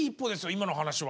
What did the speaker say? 今の話は。